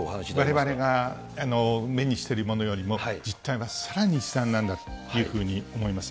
われわれが目にしているものよりも、実態はさらに悲惨なんだというふうに思います。